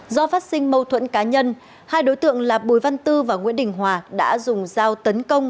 do phát sinh mâu thuẫn cá nhân hai đối tượng là bùi văn tư và nguyễn đình hòa đã dùng dao tấn công